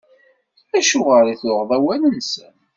Acuɣer i tuɣeḍ awal-nsen?